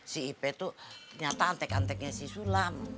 si ip tuh ternyata antek anteknya si sulam